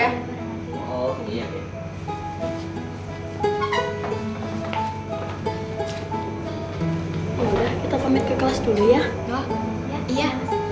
yaudah kita pamit ke kelas dulu ya